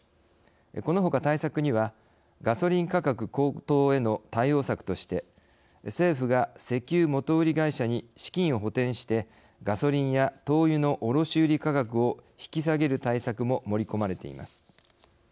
このほか対策にはガソリン価格高騰への対応策として政府が石油元売り会社に資金を補填してガソリンや灯油の卸売り価格を引き下げる対策も盛り込まれています。